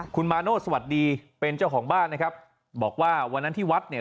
คุณมาโนธสวัสดีเป็นเจ้าของบ้านนะครับบอกว่าวันนั้นที่วัดเนี่ย